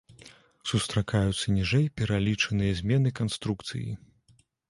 Сустракаюцца ніжэй пералічаныя змены канструкцыі.